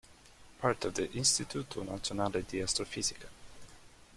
Part of the Istituto Nazionale di Astrofisica.